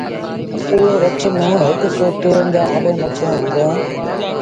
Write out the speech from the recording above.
اُئي رڇ ميݩ هڪ سئو ٽيونجھآ وڏيݩٚ مڇيٚنٚ هُنٚدينٚ